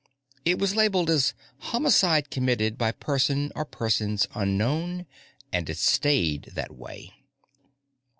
It was labelled as "homicide committed by person or persons unknown," and it stayed that way.